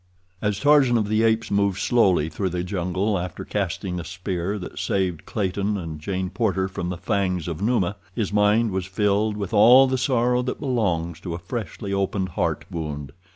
As Tarzan of the Apes moved slowly through the jungle after casting the spear that saved Clayton and Jane Porter from the fangs of Numa, his mind was filled with all the sorrow that belongs to a freshly opened heart wound.